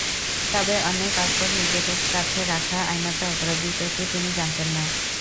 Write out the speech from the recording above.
তবে অন্যের পাসপোর্ট নিজের কাছে রাখা আইনত অপরাধ, বিষয়টি তিনি জানতেন না।